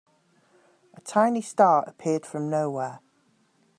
A tiny star appeared from nowhere.